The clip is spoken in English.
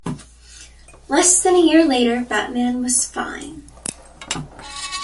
Less than a year later, Batman was fine.